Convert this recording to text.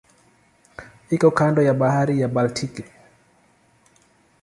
Iko kando ya Bahari ya Baltiki.